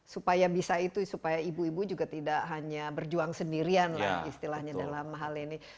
supaya bisa itu supaya ibu ibu juga tidak hanya berjuang sendirian lah istilahnya dalam hal ini